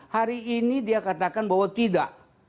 hari ini dia katakan bahwa tidak